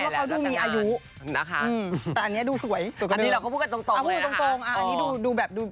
แล้วคงจะเป็นคนแบบ